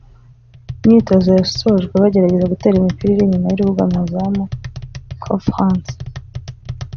Imyitozo yasojwe bagerageza gutera imipira iri inyuma y’urubuga mu izamu (coup franc)